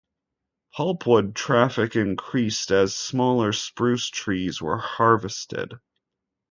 Pulpwood traffic increased as smaller spruce trees were harvested.